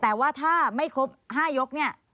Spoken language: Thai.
แต่ว่าถ้าไม่ครบ๕ยกเนี่ย